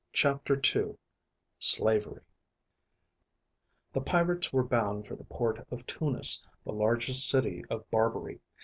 Chapter 2 SLAVERY THE pirates were bound for the port of Tunis, the largest city of Barbary.